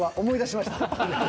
思い出しました。